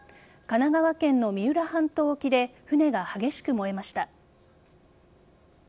神奈川県の三浦半島沖で船が激しく燃えました。